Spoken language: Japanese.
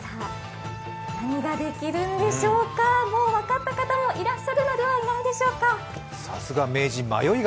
何ができるんでしょうかもう分かった方もいらっしゃるのではないでしょうか。